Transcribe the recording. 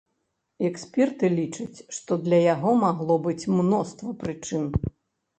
Эксперты лічаць, што для яго магло быць мноства прычын.